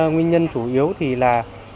nguyên nhân chủ yếu thì là